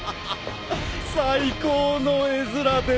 最高の絵面です。